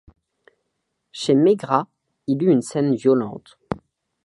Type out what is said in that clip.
Chez Maigrat, il y eut une scène violente.